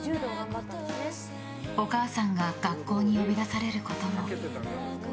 お母さんが学校に呼び出されることも。